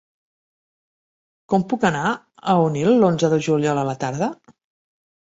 Com puc anar a Onil l'onze de juliol a la tarda?